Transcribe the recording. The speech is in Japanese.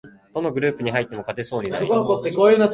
どのグループに入っても勝てそうにない